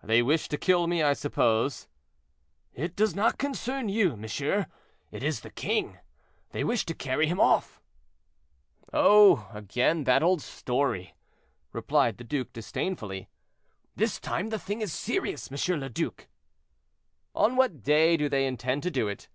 "They wish to kill me, I suppose." "It does not concern you, monsieur; it is the king. They wish to carry him off." "Oh! again that old story," replied the duke, disdainfully. "This time the thing is serious, M. le Duc." "On what day do they intend to do it?"